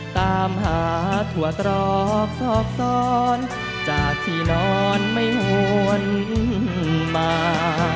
ตามหาถั่วตรอกซอกซ้อนจากที่นอนไม่หวนมา